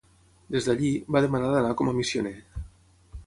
Des d'allí, va demanar d'anar com a missioner.